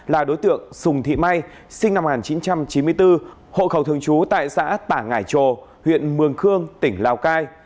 là đối tượng sùng thị may sinh năm một nghìn chín trăm chín mươi bốn hộ khẩu thường trú tại xã tả ngải trồ huyện mường khương tỉnh lào cai